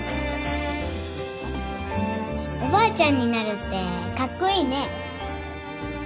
おばあちゃんになるってカッコイイね。